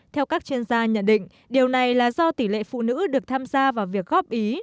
theo các chuyên gia nhận định điều này là do tỷ lệ phụ nữ được tham gia vào việc góp ý